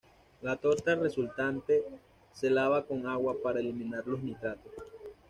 La torta resultante se lava con agua para eliminar los nitratos.